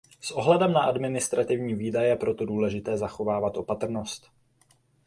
S ohledem na administrativní výdaje je proto důležité zachovávat opatrnost.